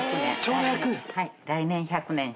来年１００年。